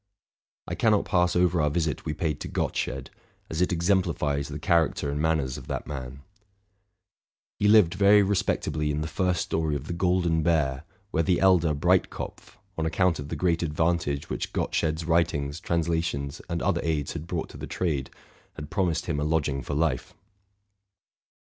I cannot pass over our visit we paid to Gottsched, as it exemplifies the charac ter and manners of that man. He lived very respectably in the first story of the Golden Bear, where the elder Breitkopf, on account of the great advantage which Gottsched's writ ings, translations, and other aids had brought to the trade, had promised him a lodging for life.